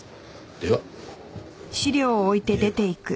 では。